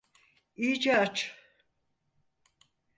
İyice aç.